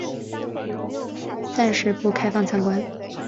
暂时不开放参观